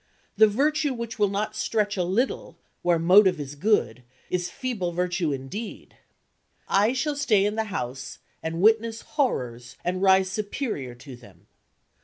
The virtue which will not stretch a little, where the motive is good, is feeble virtue indeed. I shall stay in the house, and witness horrors, and rise superior to them.